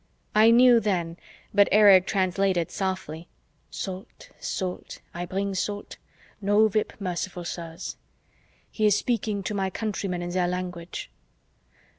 I knew then, but Erich translated softly. "'Salt, salt, I bring salt. No whip, merciful sirs.' He is speaking to my countrymen in their language."